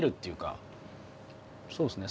そうっすね。